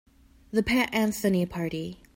The Pat Anthony Party.